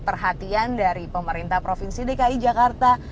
perhatian dari pemerintah provinsi dki jakarta